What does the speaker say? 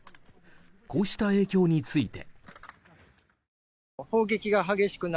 こうした影響について。